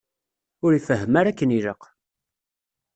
Ur ifehhem ara akken ilaq.